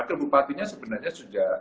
adalah u masih bangga